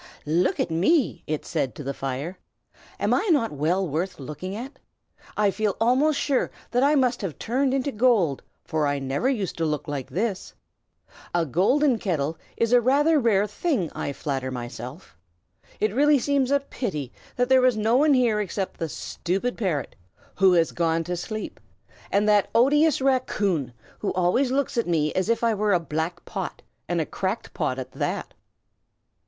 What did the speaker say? "Look at me!" it said to the fire. "Am I not well worth looking at? I feel almost sure that I must have turned into gold, for I never used to look like this. A golden kettle is rather a rare thing, I flatter myself. It really seems a pity that there is no one here except the stupid parrot, who has gone to sleep, and that odious raccoon, who always looks at me as if I were a black pot, and a cracked pot at that."